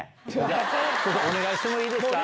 お願いしてもいいですか。